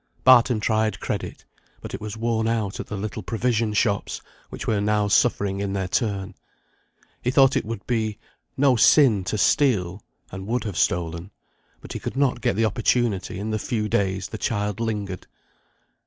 Barton tried credit; but it was worn out at the little provision shops, which were now suffering in their turn. He thought it would be no sin to steal, and would have stolen; but he could not get the opportunity in the few days the child lingered.